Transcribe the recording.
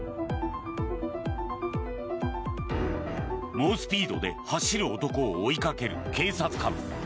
猛スピードで走る男を追いかける警察官。